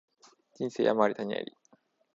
人生山あり谷あり